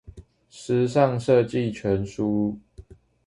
時尚設計全書